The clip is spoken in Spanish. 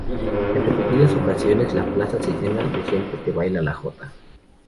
En repetidas ocasiones la plaza se llena de gente que baila la jota.